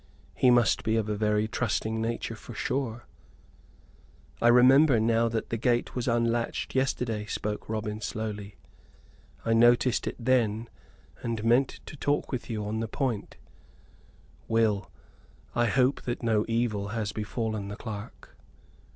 He must be of a very trusting nature for sure." "I remember now that the gate was unlatched yesterday," spoke Robin, slowly. "I noticed it then and meant to talk with you on the point, Will. I hope that no evil has befallen the clerk."